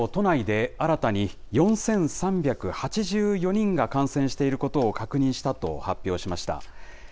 東京都はきょう、都内で新たに４３８４人が感染していることを確認したと発表しました。